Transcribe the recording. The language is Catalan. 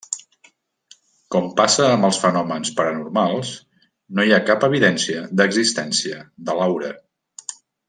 Com passa amb els fenòmens paranormals, no hi ha cap evidència d'existència de l'aura.